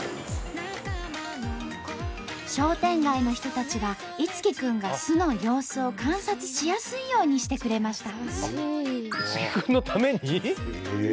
商店街の人たちが樹くんが巣の様子を観察しやすいようにしてくれました。